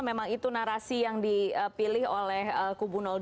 memang itu narasi yang dipilih oleh kubu dua